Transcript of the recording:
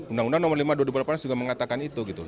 undang undang nomor lima tahun dua ribu delapan juga mengatakan itu